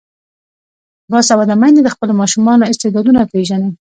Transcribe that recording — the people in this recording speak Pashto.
باسواده میندې د خپلو ماشومانو استعدادونه پیژني.